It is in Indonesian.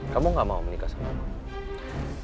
kamu tidak mau menikah sama aku